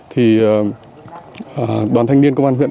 thì đoàn thanh niên công an huyện